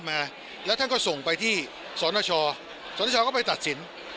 มากังวลที่ได้เลย